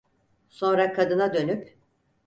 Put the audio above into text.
Sonra kadına dönüp: